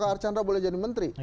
archandra boleh jadi menteri